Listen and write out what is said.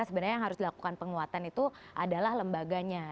sebenarnya yang harus dilakukan penguatan itu adalah lembaganya